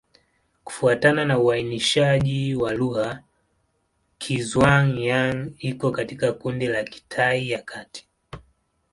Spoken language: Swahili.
Kufuatana na uainishaji wa lugha, Kizhuang-Yang iko katika kundi la Kitai ya Kati.